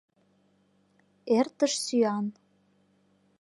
Эртыш сӱан.